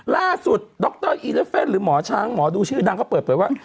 ล่าสุดดรอีเลฟเฟนหรือหมอช้างหมอดูชื่อดังเขาเปิดไปว่า